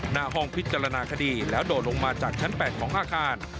หน้าห้องพิจารณาคดีแล้วโดดลงมาจากชั้น๘ของอาคาร